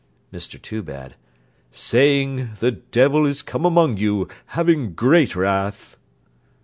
MR TOOBAD Saying, The devil is come among you, having great wrath.